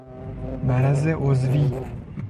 مرض عضوی